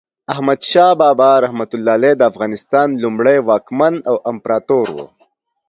احمد شاه بابا رحمة الله علیه د افغانستان لومړی واکمن او امپراتور و.